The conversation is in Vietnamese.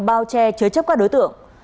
bao che chế chấp các đối tượng